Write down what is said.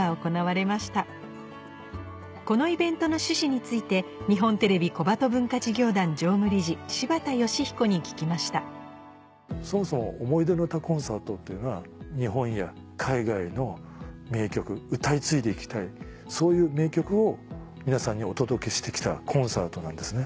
このイベントの趣旨についてに聞きましたそもそも「想いでの詩コンサート」っていうのは日本や海外の名曲歌い継いで行きたいそういう名曲を皆さんにお届けして来たコンサートなんですね。